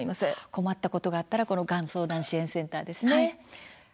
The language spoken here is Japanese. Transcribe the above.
困ったことがあったらがん相談支援センターですね。